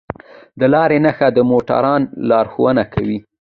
د لارې نښه د موټروان لارښوونه کوي.